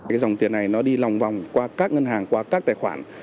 cái dòng tiền này nó đi lòng vòng qua các ngân hàng qua các tài khoản